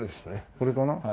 これかな。